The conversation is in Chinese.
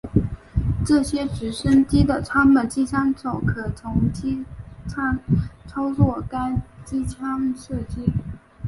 这些直升机的舱门机枪手可从机舱操作该机枪射击。